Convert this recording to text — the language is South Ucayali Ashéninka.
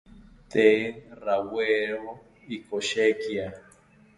Tee rawiero ikoshekia